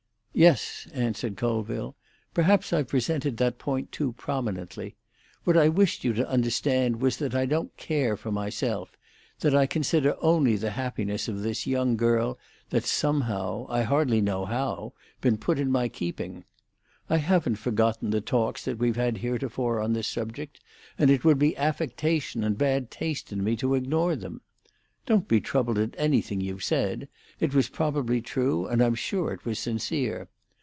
"Yes," answered Colville. "Perhaps I've presented that point too prominently. What I wished you to understand was that I don't care for myself; that I consider only the happiness of this young girl that's somehow—I hardly know how—been put in my keeping. I haven't forgotten the talks that we've had heretofore on this subject, and it would be affectation and bad taste in me to ignore them. Don't be troubled at anything you've said; it was probably true, and I'm sure it was sincere.